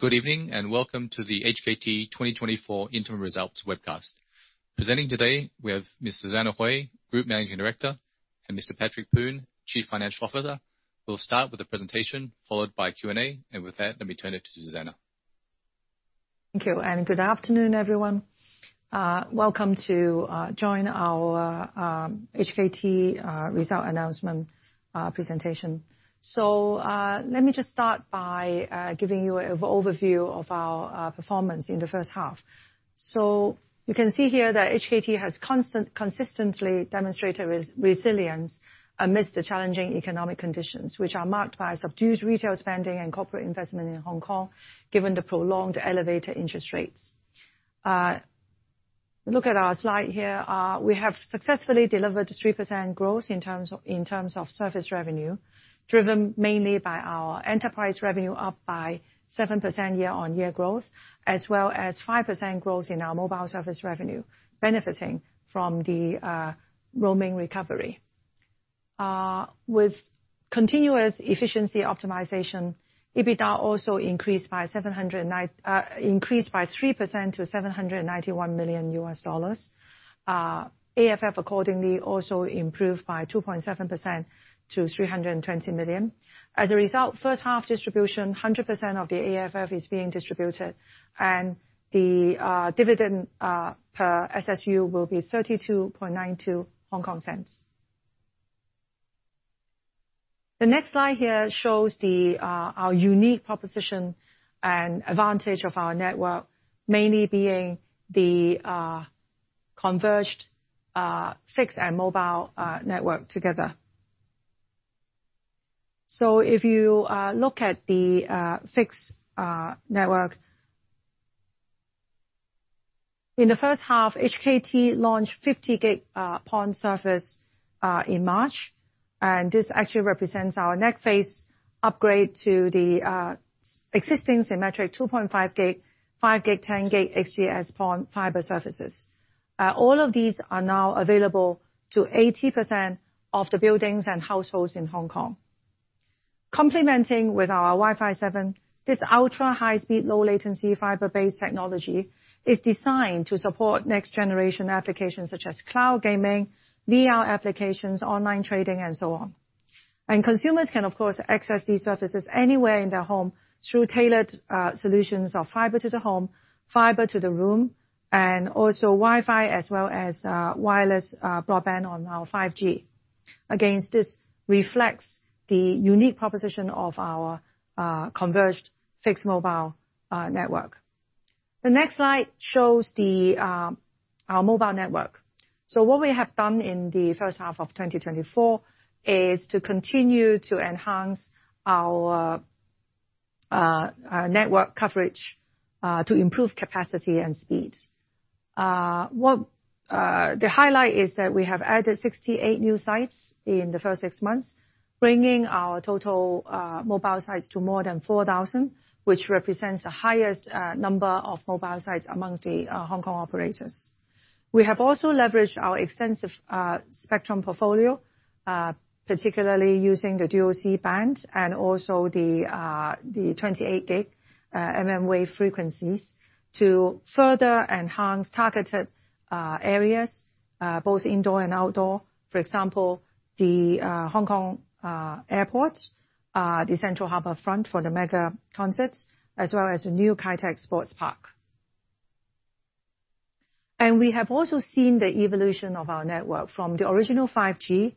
Good evening and welcome to the HKT 2024 Interim Results Webcast. Presenting today, we have Ms. Susanna Hui, Group Managing Director, and Mr. Patrick Poon, Chief Financial Officer. We'll start with a presentation, followed by Q&A, and with that, let me turn it to Susanna. Thank you, and good afternoon, everyone. Welcome to join our HKT result announcement presentation. So let me just start by giving you an overview of our performance in the first half. So you can see here that HKT has consistently demonstrated resilience amidst the challenging economic conditions, which are marked by subdued retail spending and corporate investment in Hong Kong, given the prolonged elevated interest rates. Look at our slide here. We have successfully delivered 3% growth in terms of service revenue, driven mainly by our enterprise revenue up by 7% year-over-year growth, as well as 5% growth in our mobile service revenue, benefiting from the roaming recovery. With continuous efficiency optimization, EBITDA also increased by 3% to 791 million. AFF, accordingly, also improved by 2.7% to 320 million. As a result, first-half distribution, 100% of the AFF is being distributed, and the dividend per SSU will be 32.92 HK cents. The next slide here shows our unique proposition and advantage of our network, mainly being the converged fixed and mobile network together. So if you look at the fixed network, in the first half, HKT launched 50G PON service in March, and this actually represents our next phase upgrade to the existing symmetric 2.5G, 5G, 10G XGS-PON fiber services. All of these are now available to 80% of the buildings and households in Hong Kong. Complementing with our Wi-Fi 7, this ultra-high-speed, low-latency fiber-based technology is designed to support next-generation applications such as cloud gaming, VR applications, online trading, and so on. Consumers can, of course, access these services anywhere in their home through tailored solutions of fiber to the home, fiber to the room, and also Wi-Fi as well as wireless broadband on our 5G. Again, this reflects the unique proposition of our converged fixed mobile network. The next slide shows our mobile network. So what we have done in the first half of 2024 is to continue to enhance our network coverage to improve capacity and speed. The highlight is that we have added 68 new sites in the first six months, bringing our total mobile sites to more than 4,000, which represents the highest number of mobile sites amongst the Hong Kong operators. We have also leveraged our extensive spectrum portfolio, particularly using the dual C-band and also the 28GHz mmWave frequencies to further enhance targeted areas, both indoor and outdoor. For example, the Hong Kong airport, the Central Harbourfront for the mega concerts, as well as the new Kai Tak Sports Park. We have also seen the evolution of our network from the original 5G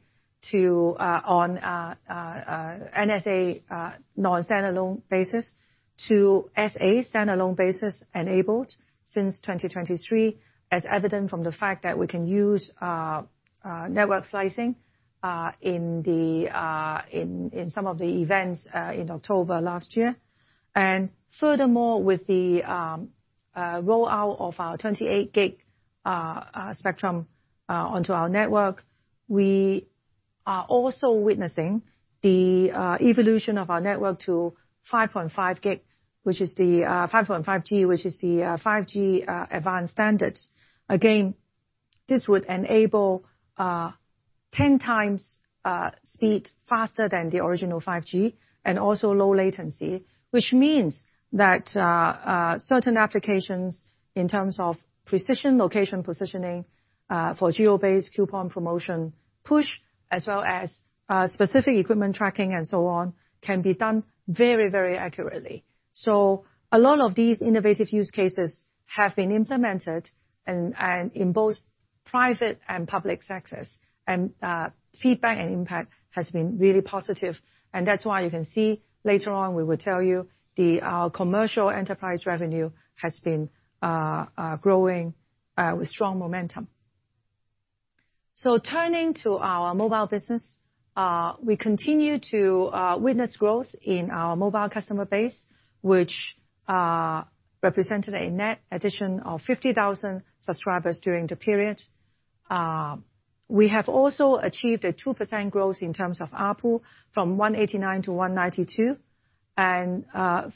on an NSA non-standalone basis to SA standalone basis enabled since 2023, as evident from the fact that we can use network slicing in some of the events in October last year. Furthermore, with the rollout of our 28GHz spectrum onto our network, we are also witnessing the evolution of our network to 5.5G, which is the 5.5G, which is the 5G advanced standards. Again, this would enable 10 times speed faster than the original 5G and also low latency, which means that certain applications in terms of precision location positioning for geo-based coupon promotion push, as well as specific equipment tracking and so on, can be done very, very accurately. So a lot of these innovative use cases have been implemented in both private and public sectors, and feedback and impact has been really positive. That's why you can see later on we will tell you our commercial enterprise revenue has been growing with strong momentum. Turning to our mobile business, we continue to witness growth in our mobile customer base, which represented a net addition of 50,000 subscribers during the period. We have also achieved a 2% growth in terms of AARPU from 189 to 192.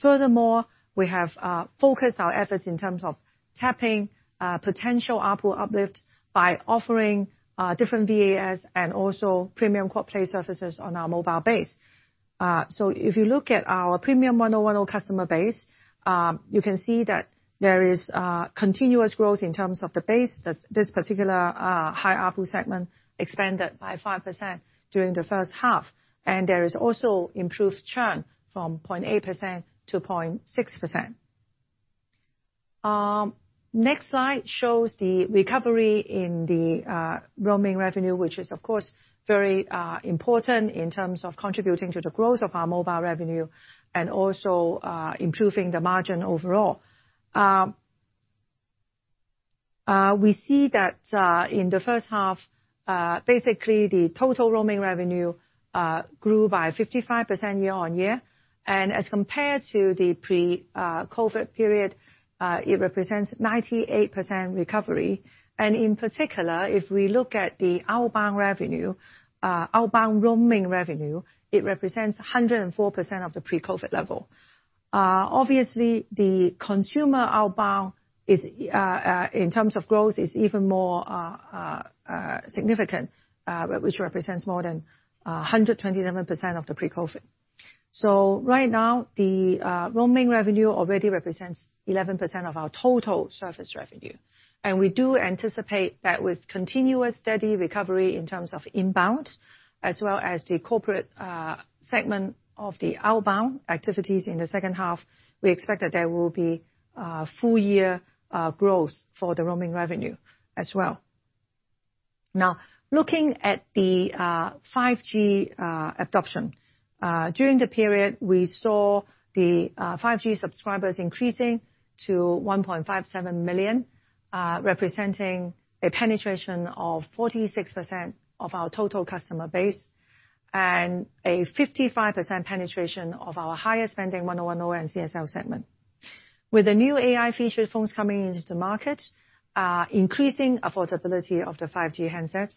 Furthermore, we have focused our efforts in terms of tapping potential ARPU uplift by offering different VAS and also premium quad-play services on our mobile base. If you look at our premium 1O1O customer base, you can see that there is continuous growth in terms of the base. This particular high ARPU segment expanded by 5% during the first half, and there is also improved churn from 0.8% to 0.6%. Next slide shows the recovery in the roaming revenue, which is, of course, very important in terms of contributing to the growth of our mobile revenue and also improving the margin overall. We see that in the first half, basically the total roaming revenue grew by 55% year-on-year, and as compared to the pre-COVID period, it represents 98% recovery. And in particular, if we look at the outbound revenue, outbound roaming revenue, it represents 104% of the pre-COVID level. Obviously, the consumer outbound in terms of growth is even more significant, which represents more than 127% of the pre-COVID. So right now, the roaming revenue already represents 11% of our total service revenue. We do anticipate that with continuous steady recovery in terms of inbound, as well as the corporate segment of the outbound activities in the second half, we expect that there will be full-year growth for the roaming revenue as well. Now, looking at the 5G adoption, during the period, we saw the 5G subscribers increasing to 1.57 million, representing a penetration of 46% of our total customer base and a 55% penetration of our highest spending 1O1O and CSL segment. With the new AI-featured phones coming into the market, increasing affordability of the 5G handsets,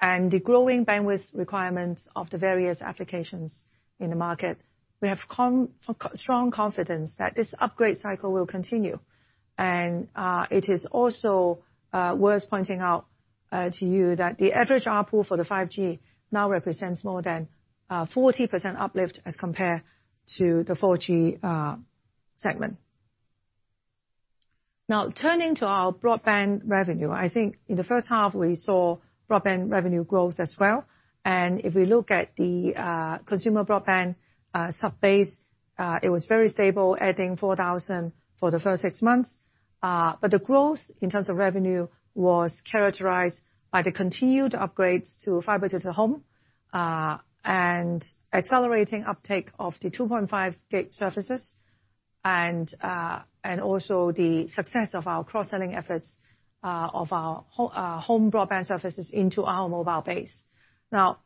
and the growing bandwidth requirements of the various applications in the market, we have strong confidence that this upgrade cycle will continue. It is also worth pointing out to you that the average ARPU for the 5G now represents more than 40% uplift as compared to the 4G segment. Now, turning to our broadband revenue, I think in the first half we saw broadband revenue growth as well. And if we look at the consumer broadband sub-base, it was very stable, adding 4,000 for the first six months. But the growth in terms of revenue was characterized by the continued upgrades to fiber to the home and accelerating uptake of the 2.5G services, and also the success of our cross-selling efforts of our home broadband services into our mobile base. Now,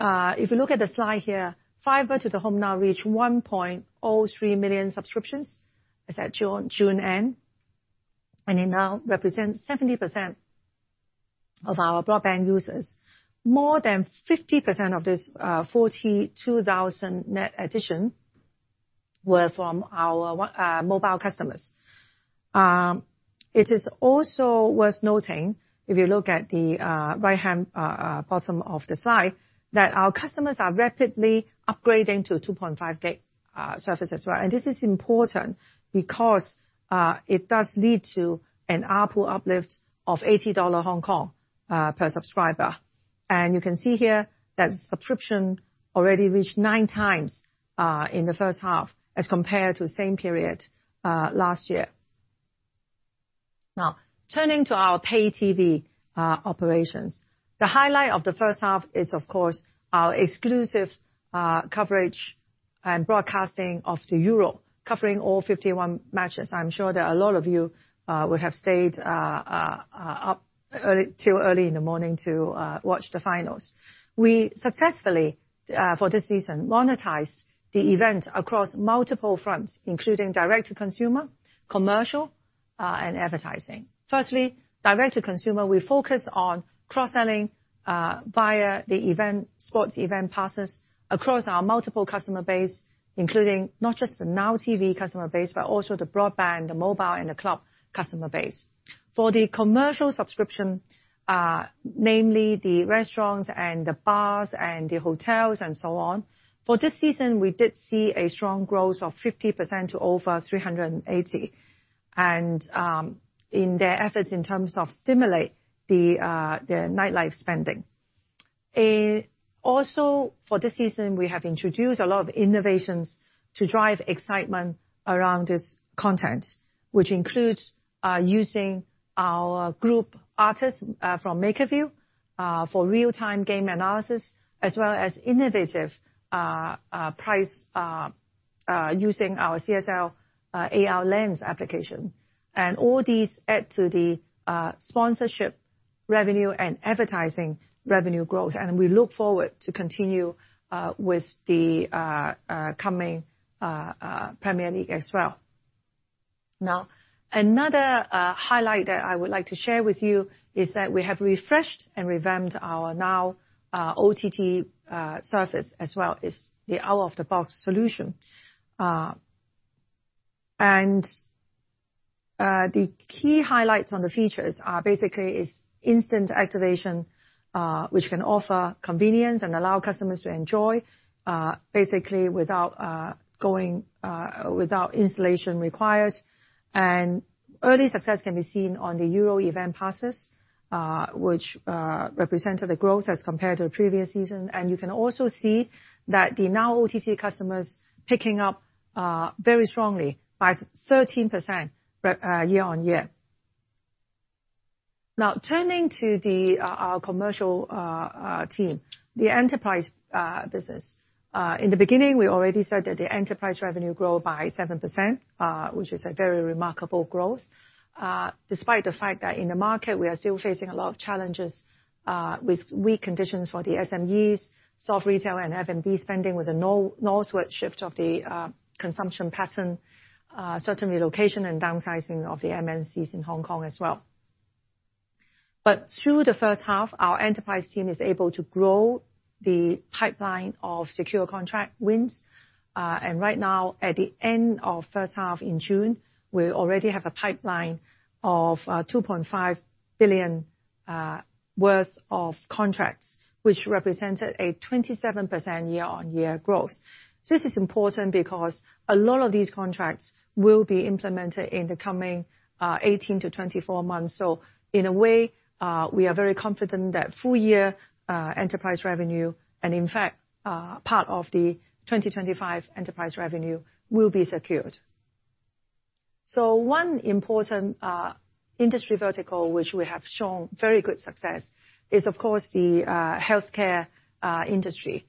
if you look at the slide here, fiber to the home now reached 1.03 million subscriptions at June end, and it now represents 70% of our broadband users. More than 50% of this 42,000 net addition were from our mobile customers. It is also worth noting, if you look at the right-hand bottom of the slide, that our customers are rapidly upgrading to 2.5G services as well. This is important because it does lead to an ARPU uplift of 80 per subscriber. You can see here that subscription already reached nine times in the first half as compared to the same period last year. Now, turning to our pay-TV operations, the highlight of the first half is, of course, our exclusive coverage and broadcasting of the Euro, covering all 51 matches. I'm sure that a lot of you would have stayed up till early in the morning to watch the finals. We successfully, for this season, monetized the event across multiple fronts, including direct-to-consumer, commercial, and advertising. Firstly, direct-to-consumer, we focus on cross-selling via the sports event passes across our multiple customer base, including not just the Now TV customer base, but also the broadband, the mobile, and The Club customer base. For the commercial subscription, namely the restaurants and the bars and the hotels and so on, for this season, we did see a strong growth of 50% to over 380 in their efforts in terms of stimulating the nightlife spending. Also, for this season, we have introduced a lot of innovations to drive excitement around this content, which includes using our group artists from MakerVille for real-time game analysis, as well as innovative prizes using our CSL AR Lens application. And all these add to the sponsorship revenue and advertising revenue growth. And we look forward to continue with the coming Premier League as well. Now, another highlight that I would like to share with you is that we have refreshed and revamped our Now OTT service as well as the out-of-the-box solution. The key highlights on the features are basically instant activation, which can offer convenience and allow customers to enjoy basically without installation required. Early success can be seen on the Euro event passes, which represented the growth as compared to the previous season. You can also see that the Now OTT customers are picking up very strongly by 13% year-on-year. Now, turning to our commercial team, the enterprise business. In the beginning, we already said that the enterprise revenue grew by 7%, which is a very remarkable growth, despite the fact that in the market, we are still facing a lot of challenges with weak conditions for the SMEs, soft retail, and F&B spending with a northward shift of the consumption pattern, relocation and downsizing of the MNCs in Hong Kong as well. But through the first half, our enterprise team is able to grow the pipeline of secure contract wins. Right now, at the end of the first half in June, we already have a pipeline of 2.5 billion worth of contracts, which represented a 27% year-on-year growth. This is important because a lot of these contracts will be implemented in the coming 18 to 24 months. In a way, we are very confident that full-year enterprise revenue and, in fact, part of the 2025 enterprise revenue will be secured. One important industry vertical, which we have shown very good success, is, of course, the healthcare industry.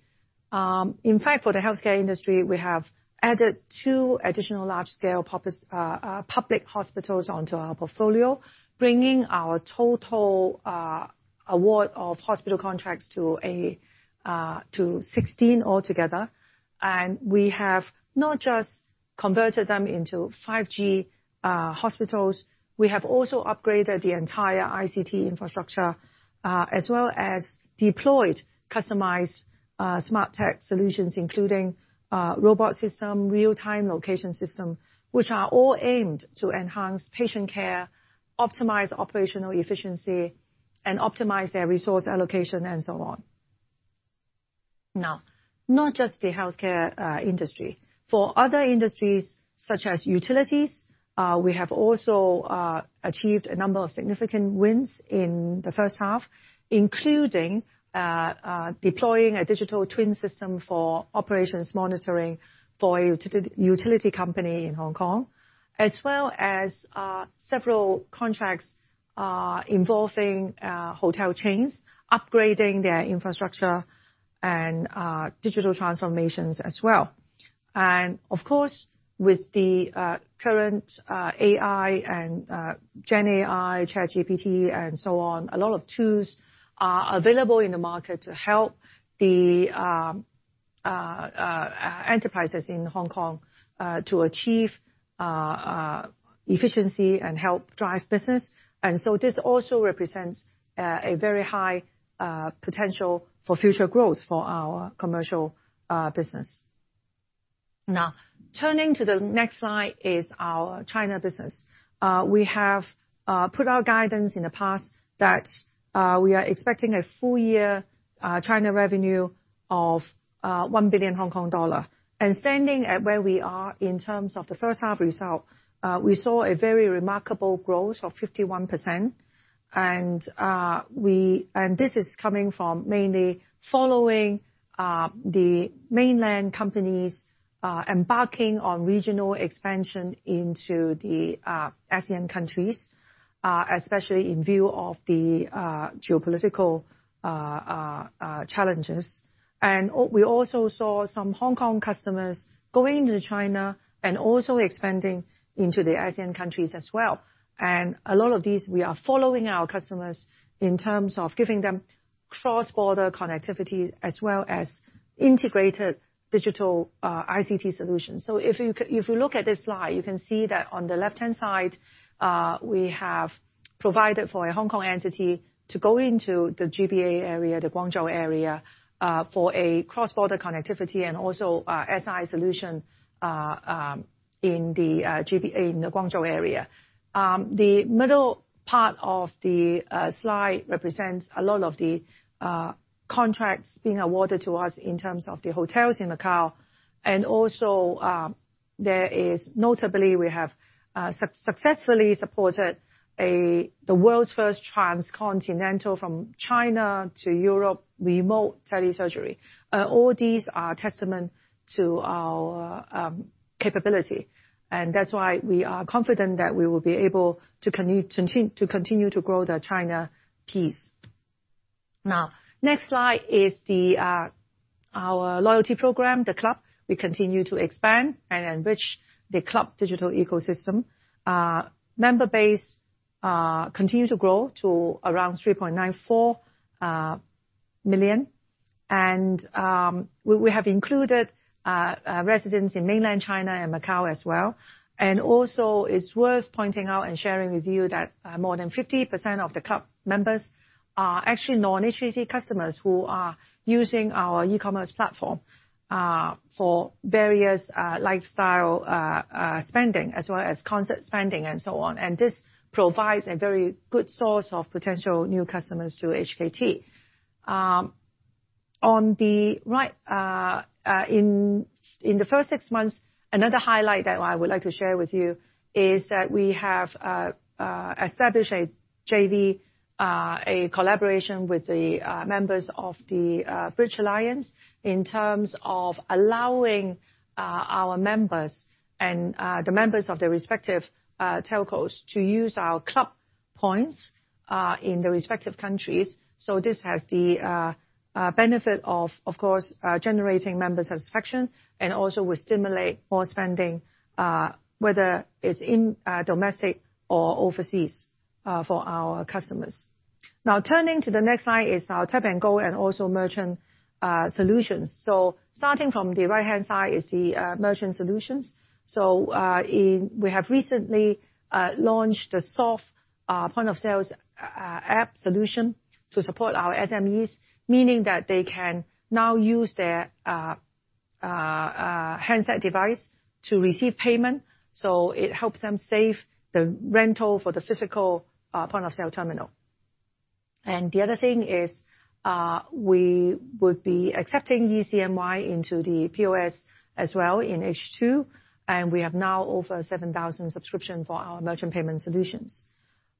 In fact, for the healthcare industry, we have added two additional large-scale public hospitals onto our portfolio, bringing our total award of hospital contracts to 16 altogether. We have not just converted them into 5G hospitals, we have also upgraded the entire ICT infrastructure, as well as deployed customized smart tech solutions, including robot systems, real-time location systems, which are all aimed to enhance patient care, optimize operational efficiency, and optimize their resource allocation, and so on. Now, not just the healthcare industry. For other industries, such as utilities, we have also achieved a number of significant wins in the first half, including deploying a digital twin system for operations monitoring for a utility company in Hong Kong, as well as several contracts involving hotel chains, upgrading their infrastructure and digital transformations as well. And of course, with the current AI and GenAI, ChatGPT, and so on, a lot of tools are available in the market to help the enterprises in Hong Kong to achieve efficiency and help drive business. So this also represents a very high potential for future growth for our commercial business. Now, turning to the next slide is our China business. We have put out guidance in the past that we are expecting a full-year China revenue of 1 billion. And standing at where we are in terms of the first half result, we saw a very remarkable growth of 51%. And this is coming from mainly following the mainland companies embarking on regional expansion into the ASEAN countries, especially in view of the geopolitical challenges. And we also saw some Hong Kong customers going into China and also expanding into the ASEAN countries as well. And a lot of these, we are following our customers in terms of giving them cross-border connectivity as well as integrated digital ICT solutions. So if you look at this slide, you can see that on the left-hand side, we have provided for a Hong Kong entity to go into the GBA area, the Guangzhou area, for a cross-border connectivity and also SI solution in the Guangzhou area. The middle part of the slide represents a lot of the contracts being awarded to us in terms of the hotels in Macau. And also, there is, notably, we have successfully supported the world's first transcontinental from China to Europe remote telesurgery. All these are a testament to our capability. And that's why we are confident that we will be able to continue to grow the China piece. Now, next slide is our loyalty program, the Club. We continue to expand and enrich the Club digital ecosystem. Member base continues to grow to around 3.94 million. We have included residents in mainland China and Macau as well. Also, it's worth pointing out and sharing with you that more than 50% of the club members are actually non-HKT customers who are using our e-commerce platform for various lifestyle spending, as well as concert spending and so on. This provides a very good source of potential new customers to HKT. In the first six months, another highlight that I would like to share with you is that we have established a JV, a collaboration with the members of the Bridge Alliance in terms of allowing our members and the members of their respective telcos to use our club points in the respective countries. This has the benefit of, of course, generating member satisfaction, and also we stimulate more spending, whether it's domestic or overseas, for our customers. Now, turning to the next slide is our Tap & Go and also merchant solutions. So starting from the right-hand side is the merchant solutions. So we have recently launched the soft point-of-sale app solution to support our SMEs, meaning that they can now use their handset device to receive payment. So it helps them save the rental for the physical point-of-sale terminal. And the other thing is we would be accepting e-CNY into the POS as well in H2. And we have now over 7,000 subscriptions for our merchant payment solutions.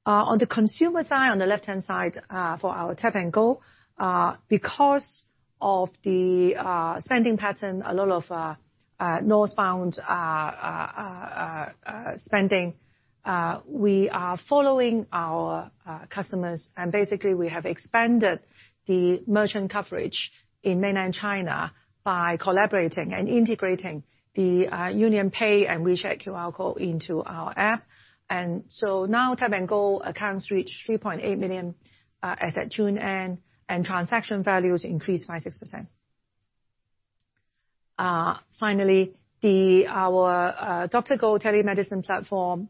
On the consumer side, on the left-hand side for our Tap & Go, because of the spending pattern, a lot of northbound spending, we are following our customers. And basically, we have expanded the merchant coverage in mainland China by collaborating and integrating the UnionPay and WeChat QR code into our app. Now Tap & Go accounts reach 3.8 million as of June end, and transaction values increased by 6%. Finally, our DrGo telemedicine platform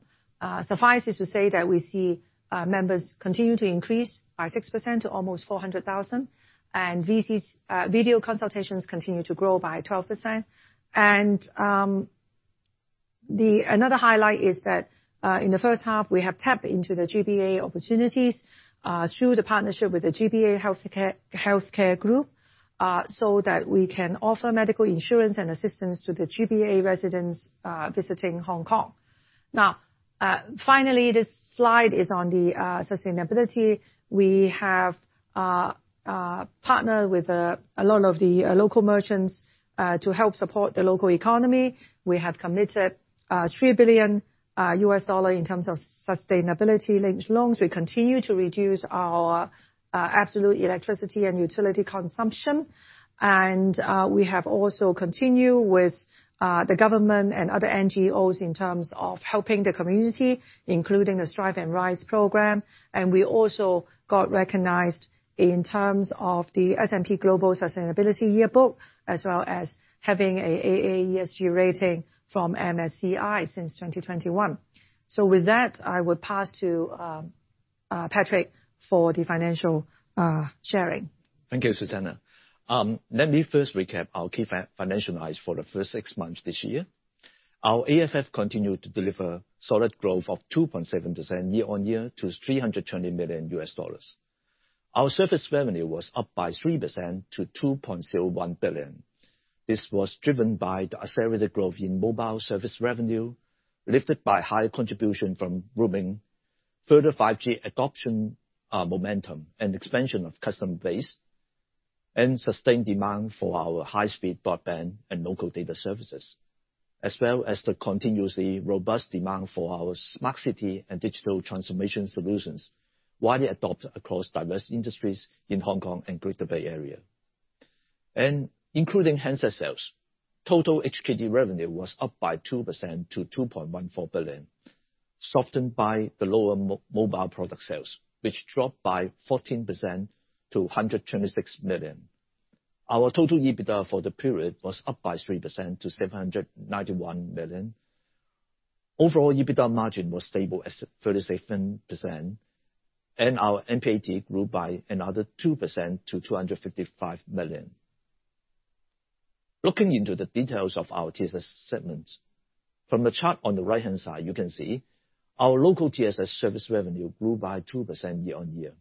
suffices to say that we see members continue to increase by 6% to almost 400,000. Video consultations continue to grow by 12%. Another highlight is that in the first half, we have tapped into the GBA opportunities through the partnership with the GBA Healthcare Group so that we can offer medical insurance and assistance to the GBA residents visiting Hong Kong. Now, finally, this slide is on the sustainability. We have partnered with a lot of the local merchants to help support the local economy. We have committed 3 billion in terms of sustainability-linked loans. We continue to reduce our absolute electricity and utility consumption. And we have also continued with the government and other NGOs in terms of helping the community, including the Strive and Rise Programme. And we also got recognized in terms of the S&P Global Sustainability Yearbook, as well as having an AA ESG rating from MSCI since 2021. So with that, I would pass to Patrick for the financial sharing. Thank you, Susanna. Let me first recap our key financial highlights for the first six months this year. Our AFF continued to deliver solid growth of 2.7% year-on-year to 320 million. Our service revenue was up by 3% to 2.01 billion. This was driven by the accelerated growth in mobile service revenue, lifted by high contribution from roaming, further 5G adoption momentum, and expansion of customer base, and sustained demand for our high-speed broadband and local data services, as well as the continuously robust demand for our smart city and digital transformation solutions widely adopted across diverse industries in Hong Kong and Greater Bay Area. Including handset sales, total revenue was up by 2% to 2.14 billion, softened by the lower mobile product sales, which dropped by 14% to 126 million. Our total EBITDA for the period was up by 3% to 791 million. Overall EBITDA margin was stable at 37%. Our NPAT grew by another 2% to 255 million. Looking into the details of our TSS segments, from the chart on the right-hand side, you can see our local TSS service revenue grew by 2% year-on-year,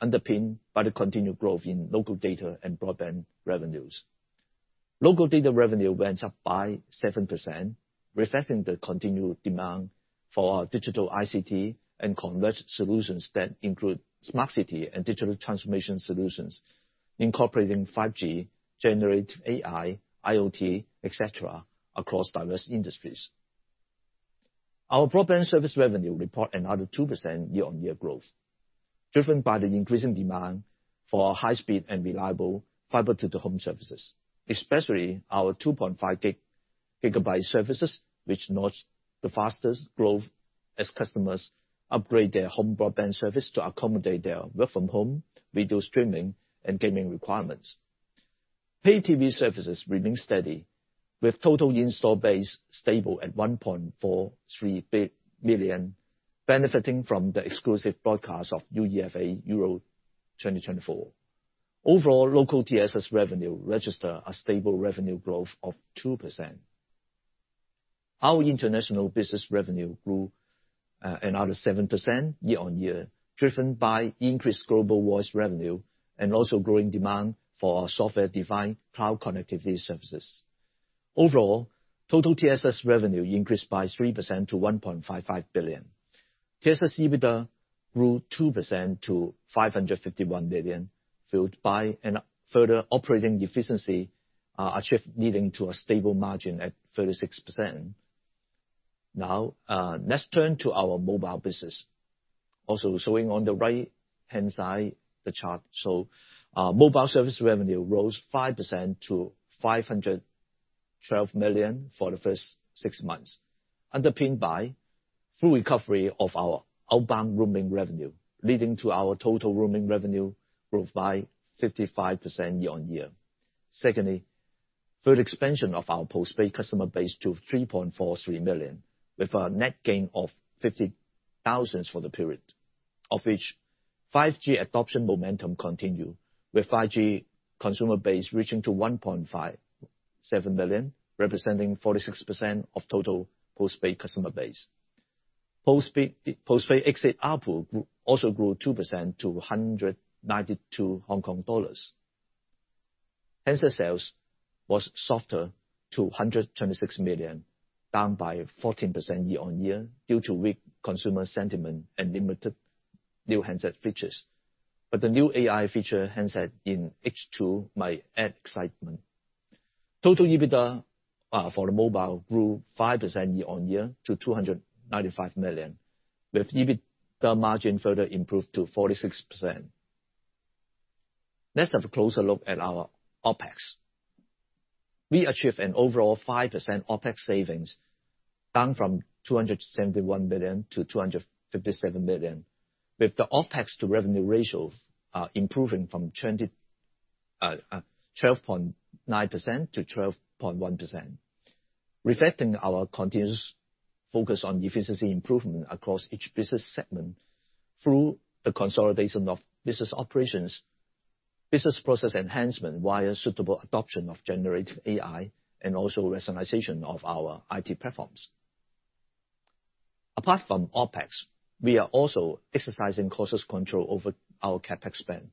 underpinned by the continued growth in local data and broadband revenues. Local data revenue went up by 7%, reflecting the continued demand for our digital ICT and converged solutions that include smart city and digital transformation solutions, incorporating 5G, generative AI, IoT, etc., across diverse industries. Our broadband service revenue reported another 2% year-on-year growth, driven by the increasing demand for high-speed and reliable fiber-to-the-home services, especially our 2.5G services, which notched the fastest growth as customers upgraded their home broadband service to accommodate their work-from-home, video streaming, and gaming requirements. Pay TV services remained steady, with total in-store base stable at 1.43 million, benefiting from the exclusive broadcast of UEFA Euro 2024. Overall, local TSS revenue registered a stable revenue growth of 2%. Our international business revenue grew another 7% year-on-year, driven by increased global voice revenue and also growing demand for our software-defined cloud connectivity services. Overall, total TSS revenue increased by 3% to 1.55 billion. TSS EBITDA grew 2% to 551 million, fueled by further operating efficiency achieved, leading to a stable margin at 36%. Now, let's turn to our mobile business. Also showing on the right-hand side of the chart, mobile service revenue rose 5% to 512 million for the first six months, underpinned by full recovery of our outbound roaming revenue, leading to our total roaming revenue growth by 55% year-on-year. Secondly, further expansion of our postpaid customer base to 3.43 million, with a net gain of 50,000 for the period, of which 5G adoption momentum continued, with 5G consumer base reaching 1.57 million, representing 46% of total postpaid customer base. Postpaid AARPU also grew 2% to 192. Handset sales was softer to 126 million, down by 14% year-on-year due to weak consumer sentiment and limited new handset features. But the new AI feature handset in H2 might add excitement. Total EBITDA for the mobile grew 5% year-on-year to 295 million, with EBITDA margin further improved to 46%. Let's have a closer look at our OPEX. We achieved an overall 5% OPEX savings, down from 271 million to 257 million, with the OPEX-to-revenue ratio improving from 12.9% to 12.1%, reflecting our continuous focus on efficiency improvement across each business segment through the consolidation of business operations, business process enhancement via suitable adoption of generative AI, and also rationalization of our IT platforms. Apart from OPEX, we are also exercising cost control over our CAPEX spend.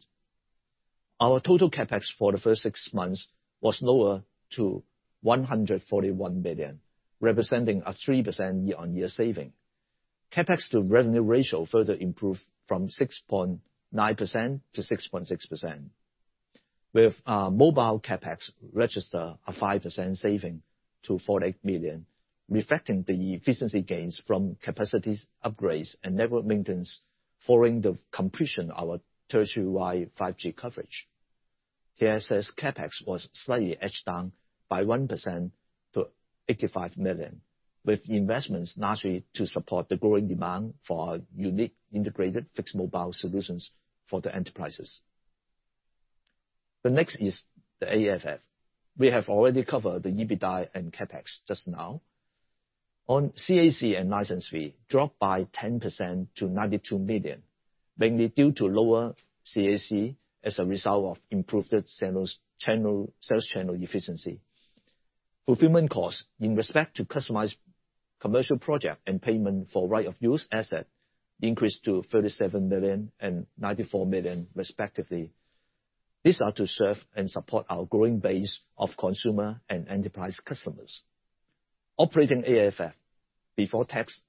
Our total CAPEX for the first six months was lower to 141 million, representing a 3% year-on-year saving. CAPEX-to-revenue ratio further improved from 6.9% to 6.6%, with mobile CAPEX registered a 5% saving to 48 million, reflecting the efficiency gains from capacity upgrades and network maintenance following the completion of our territory-wide 5G coverage. TSS CAPEX was slightly edged down by 1% to 85 million, with investments largely to support the growing demand for unique integrated fixed mobile solutions for the enterprises. The next is the AFF. We have already covered the EBITDA and CAPEX just now. On CAC and license fee, dropped by 10% to 92 million, mainly due to lower CAC as a result of improved sales channel efficiency. Fulfillment costs in respect to customized commercial projects and payment for right-of-use assets increased to 37 million and 94 million, respectively. These are to serve and support our growing base of consumer and enterprise customers. Operating AFF before tax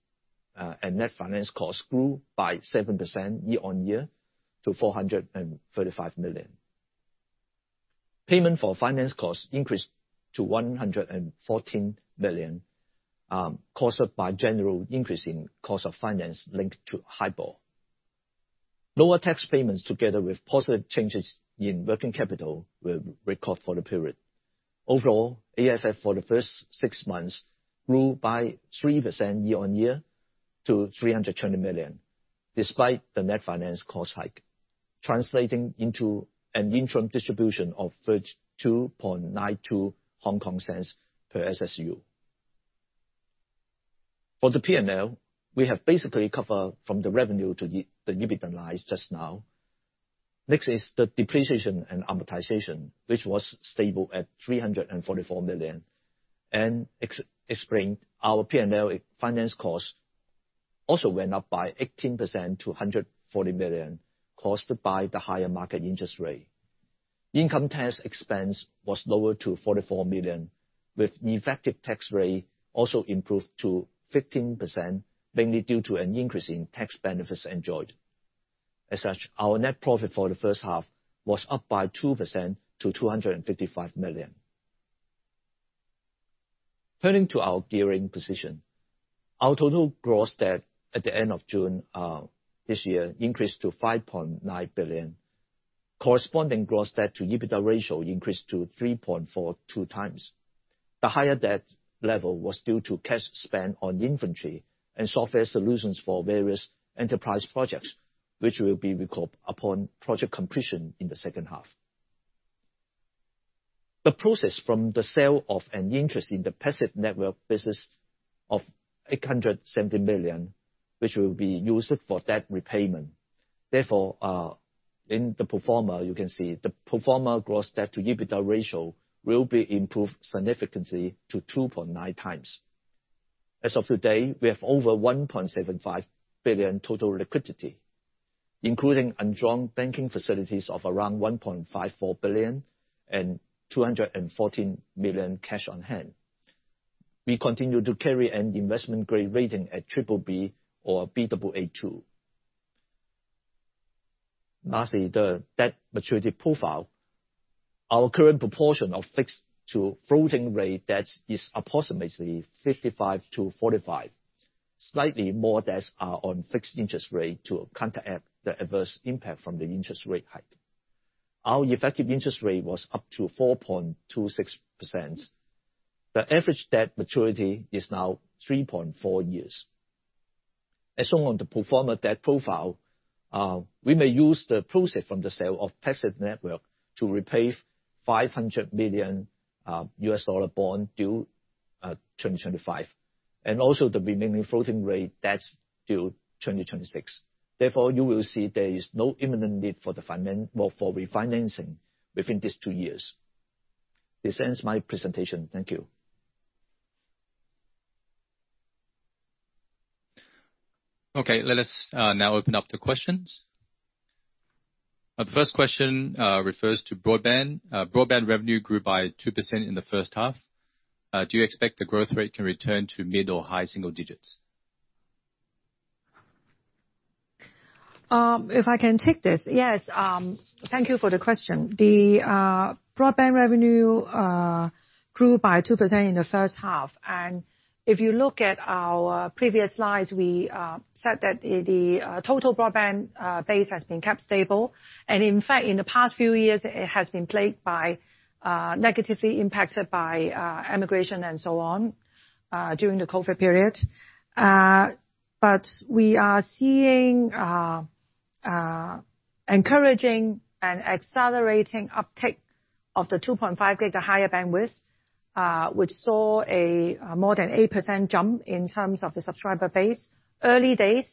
and net finance costs grew by 7% year-on-year to 435 million. Payment for finance costs increased to 114 million, caused by a general increase in cost of finance linked to HIBOR. Lower tax payments together with positive changes in working capital were recorded for the period. Overall, AFF for the first six months grew by 3% year-on-year to 320 million, despite the net finance cost hike, translating into an interim distribution of 32.92 per SSU. For the P&L, we have basically covered from the revenue to the EBITDA lines just now. Next is the depreciation and amortization, which was stable at 344 million. And explained, our P&L finance costs also went up by 18% to 140 million, caused by the higher market interest rate. Income tax expense was lower to 44 million, with the effective tax rate also improved to 15%, mainly due to an increase in tax benefits enjoyed. As such, our net profit for the first half was up by 2% to 255 million. Turning to our gearing position, our total gross debt at the end of June this year increased to 5.9 billion. Corresponding gross debt-to-EBITDA ratio increased to 3.42 times. The higher debt level was due to cash spent on inventory and software solutions for various enterprise projects, which will be recovered upon project completion in the second half. The proceeds from the sale of an interest in the passive network business of 870 million, which will be used for debt repayment. Therefore, in the pro forma, you can see the pro forma gross debt-to-EBITDA ratio will be improved significantly to 2.9 times. As of today, we have over 1.75 billion total liquidity, including undrawn banking facilities of around 1.54 billion and 214 million cash on hand. We continue to carry an investment-grade rating at BBB or Baa2. Lastly, the debt maturity profile. Our current proportion of fixed to floating-rate debts is approximately 55 to 45, slightly more debts are on fixed interest rate to counteract the adverse impact from the interest rate hike. Our effective interest rate was up to 4.26%. The average debt maturity is now 3.4 years. As shown on the pro forma debt profile, we may use the proceeds from the sale of passive network to repay $500 million US dollar bond due 2025, and also the remaining floating-rate debts due 2026.Therefore, you will see there is no imminent need for refinancing within these two years. This ends my presentation. Thank you. Okay, let us now open up to questions. The first question refers to broadband. Broadband revenue grew by 2% in the first half. Do you expect the growth rate can return to mid or high single digits? If I can take this, yes. Thank you for the question. The broadband revenue grew by 2% in the first half. And if you look at our previous slides, we said that the total broadband base has been kept stable. And in fact, in the past few years, it has been plagued by negatively impacted by immigration and so on during the COVID period. But we are seeing encouraging and accelerating uptake of the 2.5G higher bandwidth, which saw a more than 8% jump in terms of the subscriber base early days,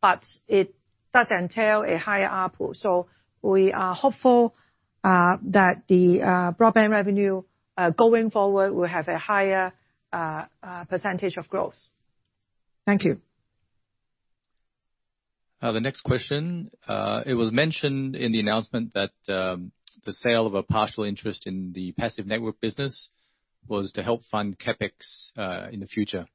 but it does entail a higher output. So we are hopeful that the broadband revenue going forward will have a higher percentage of growth. Thank you. The next question. It was mentioned in the announcement that the sale of a partial interest in the passive network business was to help fund CAPEX in the future.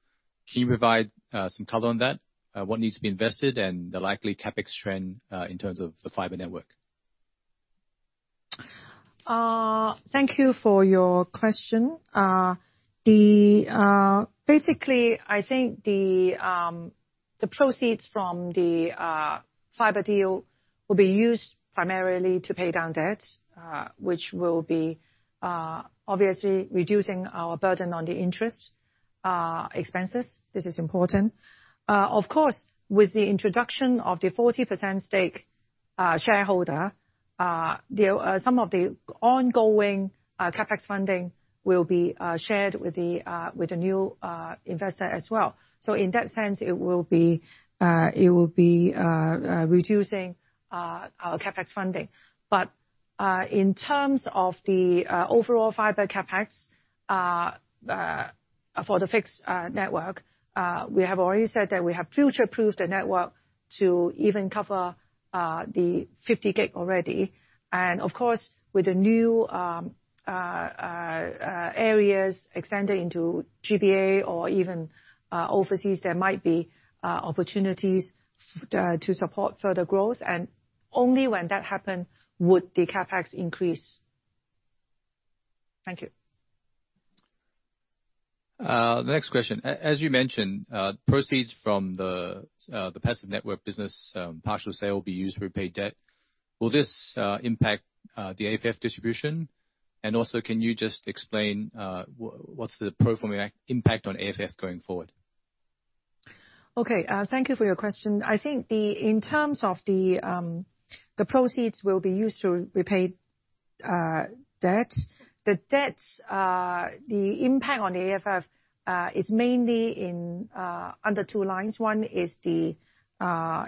Can you provide some color on that? What needs to be invested and the likely CAPEX trend in terms of the fiber network? Thank you for your question. Basically, I think the proceeds from the fiber deal will be used primarily to pay down debts, which will be obviously reducing our burden on the interest expenses. This is important. Of course, with the introduction of the 40% stake shareholder, some of the ongoing CAPEX funding will be shared with the new investor as well. So in that sense, it will be reducing our CAPEX funding. But in terms of the overall fiber CAPEX for the fixed network, we have already said that we have future-proofed the network to even cover the 50 gig already. And of course, with the new areas extended into GBA or even overseas, there might be opportunities to support further growth. And only when that happened would the CAPEX increase. Thank you. The next question. As you mentioned, proceeds from the passive network business partial sale will be used to repay debt. Will this impact the AFF distribution? And also, can you just explain what's the pro forma impact on AFF going forward? Okay, thank you for your question. I think in terms of the proceeds will be used to repay debt, the impact on the AFF is mainly under two lines. One is the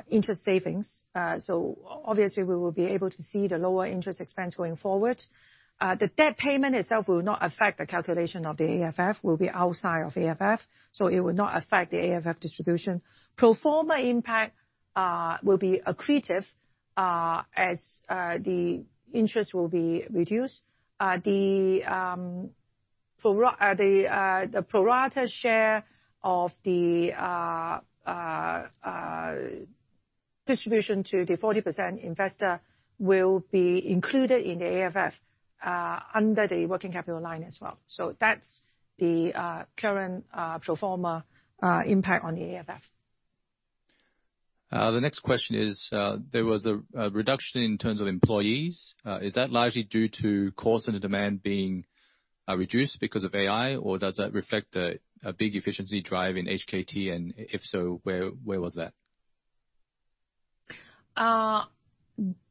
interest savings. So obviously, we will be able to see the lower interest expense going forward. The debt payment itself will not affect the calculation of the AFF, will be outside of AFF, so it will not affect the AFF distribution. Pro forma impact will be accretive as the interest will be reduced. The pro rata share of the distribution to the 40% investor will be included in the AFF under the working capital line as well. So that's the current pro forma impact on the AFF. The next question is, there was a reduction in terms of employees. Is that largely due to cost and demand being reduced because of AI, or does that reflect a big efficiency drive in HKT? And if so, where was that?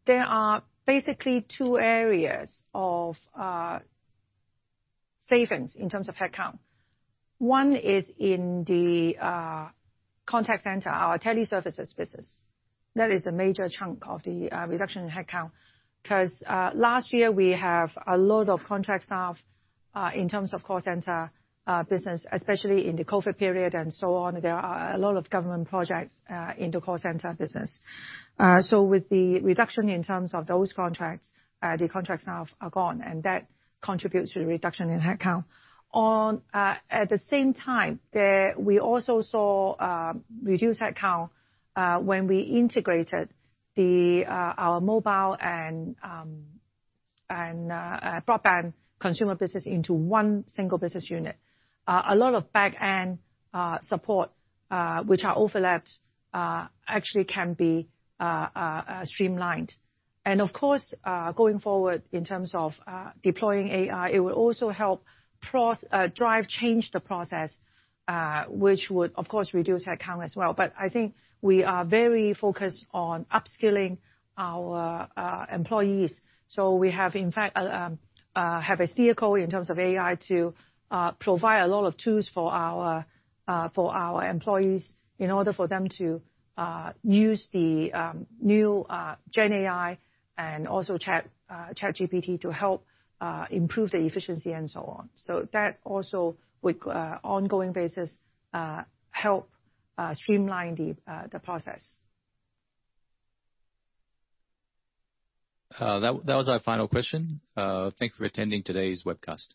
There are basically two areas of savings in terms of headcount. One is in the contact center, our teleservices business. That is a major chunk of the reduction in headcount because last year we have a lot of contract staff in terms of call center business, especially in the COVID period and so on. There are a lot of government projects in the call center business. So with the reduction in terms of those contracts, the contract staff are gone, and that contributes to the reduction in headcount. At the same time, we also saw reduced headcount when we integrated our mobile and broadband consumer business into one single business unit. A lot of back-end support, which are overlapped, actually can be streamlined. And of course, going forward in terms of deploying AI, it will also help drive change the process, which would, of course, reduce headcount as well. But I think we are very focused on upskilling our employees. So we have, in fact, a stakeholder in terms of AI to provide a lot of tools for our employees in order for them to use the new GenAI and also ChatGPT to help improve the efficiency and so on. So that also would, ongoing basis, help streamline the process. That was our final question. Thank you for attending today's webcast.